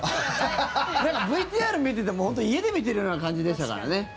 ＶＴＲ見てても本当、家で見てるような感じでしたからね。